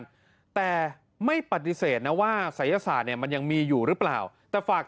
พระอาจารย์ออสบอกว่าอาการของคุณแป๋วผู้เสียหายคนนี้อาจจะเกิดจากหลายสิ่งประกอบกัน